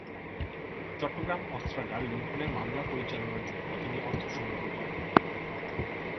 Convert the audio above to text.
চট্টগ্রাম অস্ত্রাগার লুণ্ঠনের মামলা পরিচালনার জন্য তিনি অর্থ সংগ্রহ করেন।